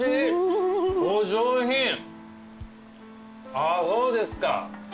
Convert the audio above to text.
あそうですか。